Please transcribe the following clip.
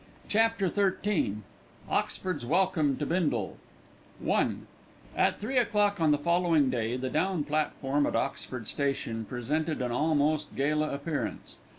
CHAPTER XIII OXFORD'S WELCOME TO BINDLE I At three o'clock on the following day the down platform at Oxford station presented an almost gala appearance.